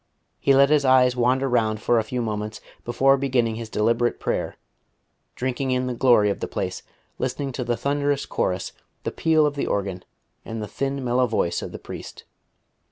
He let his eyes wander round for a few moments before beginning his deliberate prayer, drinking in the glory of the place, listening to the thunderous chorus, the peal of the organ, and the thin mellow voice of the priest.